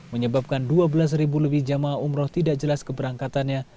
menyebabkan dua belas ribu lebih jamaah umroh tidak jelas keberangkatannya